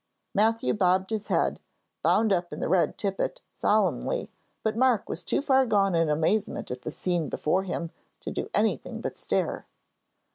Matthew bobbed his head, bound up in the red tippet, solemnly, but Mark was too far gone in amazement at the scene before him to do anything but stare.